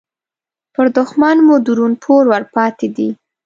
پر دوښمن مو درون پور ورپاتې دې